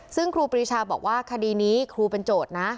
ซึ่งครูปรีชาบอกว่าคดีนี้ครูเป็นโจทย์นะ